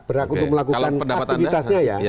berhak untuk melakukan aktivitasnya ya